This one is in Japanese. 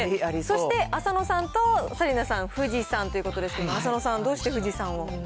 そして浅野さんと紗理奈さん、富士山ということですけれども、浅野さん、どうして富士山を。